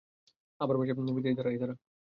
আমার বাসায় ফিরতে এই দাঁড়া, দাঁড়া।